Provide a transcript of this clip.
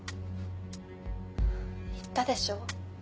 言ったでしょ？